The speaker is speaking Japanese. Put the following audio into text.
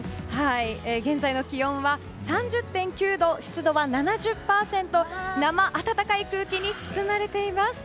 現在の気温は３０．９度湿度は７０％生暖かい空気に包まれています。